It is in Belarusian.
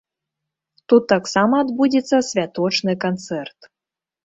Тут таксама адбудзецца святочны канцэрт.